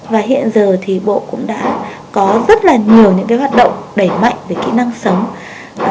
và hiện giờ thì bộ cũng đã có rất là nhiều những cái hoạt động đẩy mạnh về kỹ năng sống